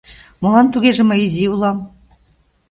Молан тугеже мый изи улам?